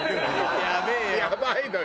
やばいのよ